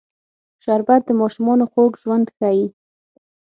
شربت د ماشومانو خوږ ژوند ښيي